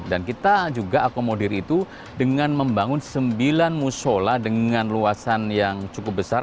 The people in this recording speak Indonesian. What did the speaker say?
dan kita juga akomodir itu dengan membangun sembilan mushola dengan luasan yang cukup besar